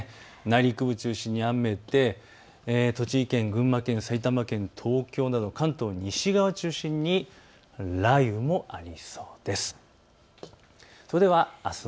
内陸部を中心に雨で栃木県、群馬県、埼玉県、東京など関東西側を中心に雷雨もありそうです。